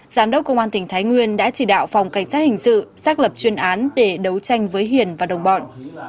giám đốc công an tỉnh thái nguyên đã chỉ đạo phòng cảnh sát hình sự xác lập chuyên án để đấu tranh với hiền và đồng bọn